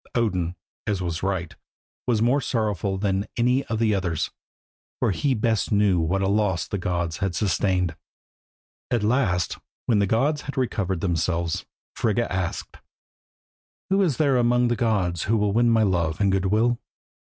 Odin, as was right, was more sorrowful than any of the others, for he best knew what a loss the gods had sustained. At last when the gods had recovered themselves, Frigga asked "Who is there among the gods who will win my love and good will?